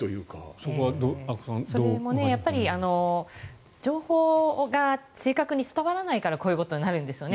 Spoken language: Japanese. それも情報が正確に伝わらないからこういうことになるんですよね。